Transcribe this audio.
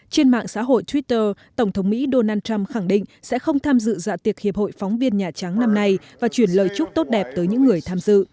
trên mạng xã hội twitter tổng thống mỹ donald trump khẳng định sẽ không tham dự dạ tiệc hiệp hội phóng viên nhà trắng năm nay và chuyển lời chúc tốt đẹp tới những người tham dự